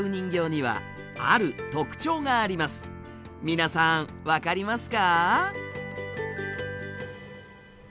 皆さん分かりますか？